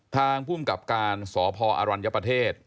ทางภูมิกับการสพอรัญญประเทศ